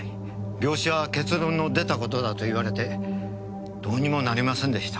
病死は結論の出た事だ」と言われてどうにもなりませんでした。